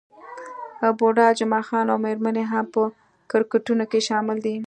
بوډا جمعه خان او میرمن يې هم په کرکټرونو کې شامل دي.